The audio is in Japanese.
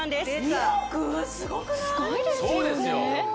すごいですよね